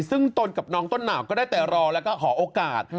ซึ่งตนกับน้องต้นหนาวก็ได้แต่รอแล้วก็ขอโอกาส